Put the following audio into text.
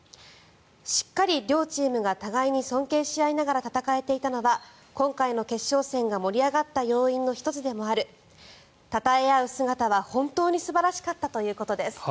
しっかり両チームが互いに尊敬し合いながら戦えていたのは今回の決勝戦が盛り上がった要因の１つでもあるたたえ合う姿は本当に素晴らしかったということです。